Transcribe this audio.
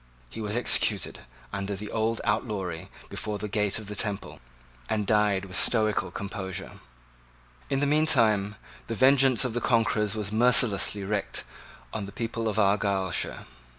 He was executed under his old outlawry before the gate of the Temple, and died with stoical composure. In the meantime the vengeance of the conquerors was mercilessly wreaked on the people of Argyleshire.